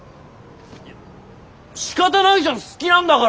いやしかたないじゃん好きなんだから。